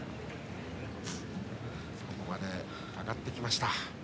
ここまで上がってきました。